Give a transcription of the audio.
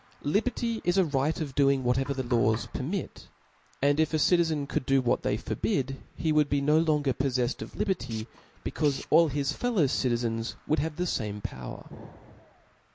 Liberty is a right of doing whatever the laws permit 5 and if a citizen could do what they for bid, he would be no lotiger pofleft of liberty, be caufe all his fellow citizens would have the fantic power.